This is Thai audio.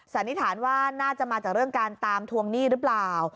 สันนิษฐานว่าน่าจะมาจากเรื่องการตามทวงหนี้หรือเปล่า